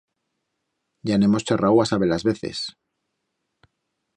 Ya en hemos charrau a-saber-las veces.